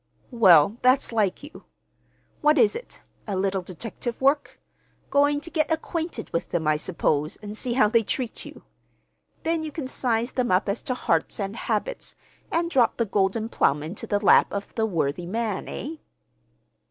"Well, that's like you. What is it, a little detective work? Going to get acquainted with them, I suppose, and see how they treat you. Then you can size them up as to hearts and habits, and drop the golden plum into the lap of the worthy man, eh?"